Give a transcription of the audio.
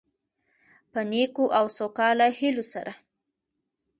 په نیکو او سوکاله هيلو سره،